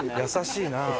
優しいな。